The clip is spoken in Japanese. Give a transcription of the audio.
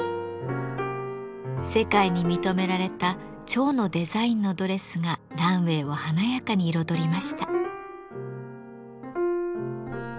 世界に認められた蝶のデザインのドレスがランウエーを華やかに彩りました。